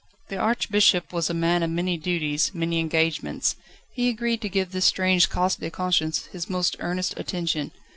The Archbishop was a man of many duties, many engagements. He agreed to give this strange "cas de conscience" his most earnest attention.